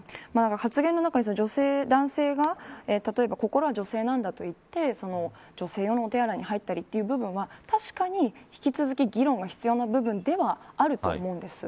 発言の中では女性と男性が、心は女性だと言っていて女性のお手洗いに入ってという部分は確かに、引き続き議論が必要な部分ではあると思うんです。